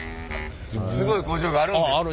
スゴい工場があるんですって。